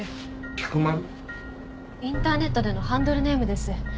インターネットでのハンドルネームです。